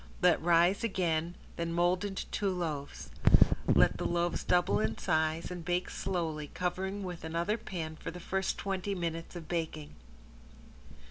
Let rise again, then mold into two loaves. Let the loaves double in size and bake slowly, covering with another pan for the first twenty minutes of baking.